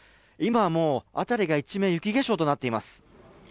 今はもう辺りが一面雪化粧となっています